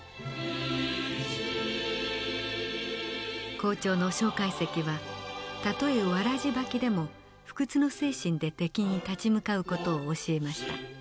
校長の介石はたとえワラジ履きでも不屈の精神で敵に立ち向かう事を教えました。